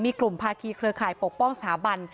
มีกลุ่มภาคีเครือข่ายปกป้องสถาบัน